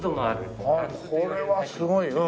ああこれはすごい。